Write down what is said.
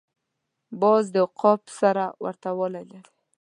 باز د عقاب سره ورته والی لري